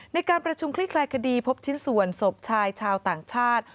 ในการประชุมคลี่คลายคดีพบชิ้นส่วนศพชายชาวต่างชาติ